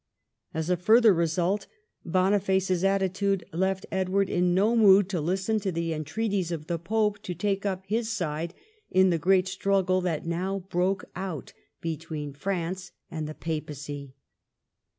As a further result, Boniface's attitude left Edward in no mood to listen to the entreaties of the pope to take up his side in the great struggle that now broke out between France and the papacy.